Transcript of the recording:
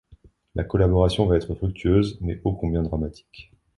La collaboration va être fructueuse... mais ô combien dramatique.